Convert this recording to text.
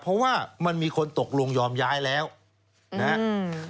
เพราะว่ามันมีคนตกลงยอมย้ายแล้วนะฮะอืม